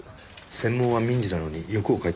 専門は民事なのに欲をかいたんです。